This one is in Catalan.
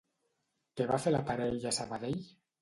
Què va fer la parella a Sabadell?